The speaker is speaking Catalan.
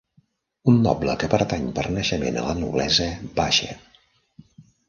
Un noble que pertany per naixement a la noblesa baixa